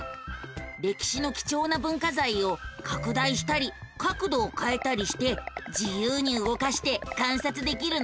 歴史の貴重な文化財を拡大したり角度をかえたりして自由に動かして観察できるのさ。